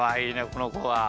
このこは。